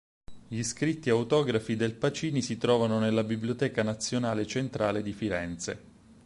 Gli scritti autografi del Pacini si trovano nella Biblioteca Nazionale Centrale di Firenze.